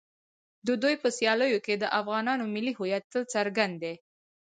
د دوی په سیالیو کې د افغانانو ملي هویت تل څرګند دی.